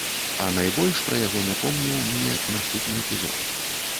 А найбольш пра яго напомніў мне наступны эпізод.